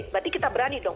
berarti kita berani dong